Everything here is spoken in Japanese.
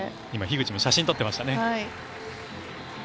今、樋口も写真、撮ってましたね。